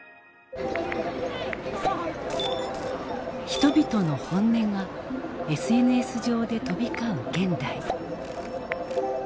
人々の本音がＳＮＳ上で飛び交う現代。